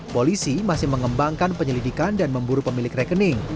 polisi masih mengembangkan penyelidikan dan memburu pemilik rekening